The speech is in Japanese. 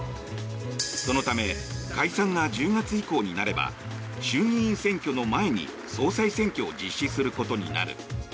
そのため解散が１０月以降になれば衆議院選挙の前に総裁選挙を実施することになる。